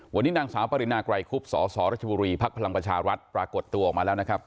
วันนี้นางสาวปรินาไกรคุบสสรัชบุรีภักดิ์พลังประชารัฐปรากฏตัวออกมาแล้วนะครับ